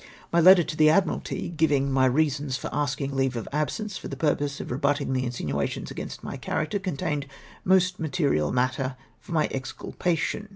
My letter to tlie Admiralty, giving my reasons for asking leave of absence for the purpose of rebutting the insinuations against my character, contained most material matter for my exculpation.